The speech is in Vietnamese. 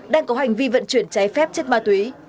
đang có hành vi vận chuyển cháy phép chất ma túy